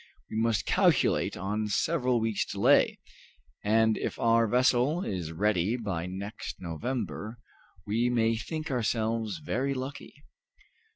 We must calculate on several weeks delay, and if our vessel is ready by next November we may think ourselves very lucky."